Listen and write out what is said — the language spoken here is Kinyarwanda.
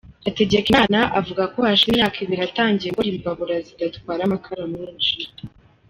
Hategekimana avuga ko hashize imyaka ibiri atangiye gukora imbabura zidatwara amakara menshi.